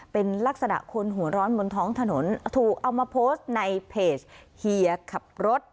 เป็นลักษณะคนหัวร้อนบนท้องถนนถูกเอามาโพสต์ในเพจเฮียขับรถ